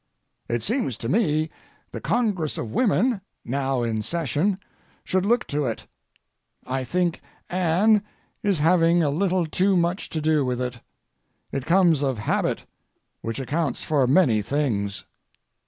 It seems to me the Congress of Women, now in session, should look to it. I think "an" is having a little too much to do with it. It comes of habit, which accounts for many things.